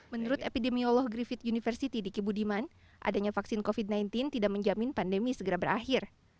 menurut epidemiolog griffith university diki budiman adanya vaksin covid sembilan belas tidak menjamin pandemi segera berakhir